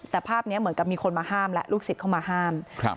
แต่ภาพนี้เหมือนกับมีคนมาห้ามและลูกศิษย์เข้ามาห้ามครับ